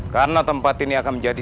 karena tempat ini akan menjadi